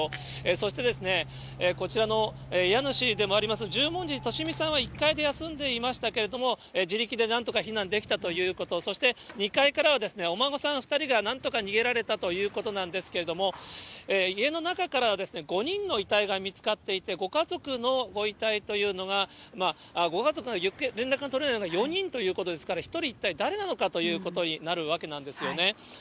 そして、こちらの家主でもあります、十文字利美さんは１階で休んでいましたけれども、自力でなんとか避難できたということ、そして、２階からはお孫さん２人がなんとか逃げられたということなんですけれども、家の中からは５人の遺体が見つかっていて、ご家族のご遺体というのが、ご家族が、連絡が取れないのが４人ということですから、１人一体誰なのかということになるわけなんですよね。